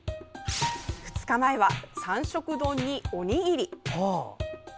２日前は三色丼におにぎり。